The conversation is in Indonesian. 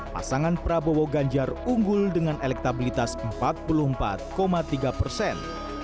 pasangan prabowo ganjar unggul dengan elektabilitas empat puluh empat tiga persen